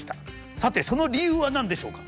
さてその理由は何でしょうか？